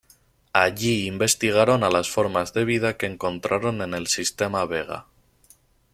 Allí investigaron a las formas de vida que encontraron en el sistema Vega.